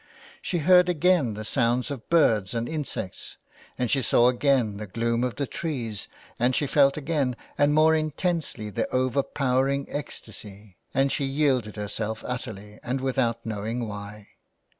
She heard again the sounds of birds and insects, and she saw again the gloom of the trees, and she felt again and more intensely the overpowering ecstasy, and she yielded herself utterly and without knowing why.